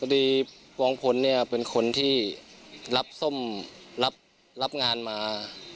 ดีกองพลเนี่ยเป็นคนที่รับส้มรับงานมา